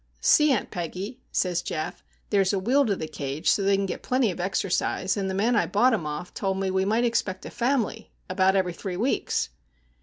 "See, Aunt Peggy," says Geof. "There's a wheel to the cage, so they can get plenty of exercise, and the man I bought 'em of told me we might expect a family about every three weeks."